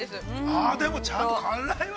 ◆あー、でもちゃんと辛いわ。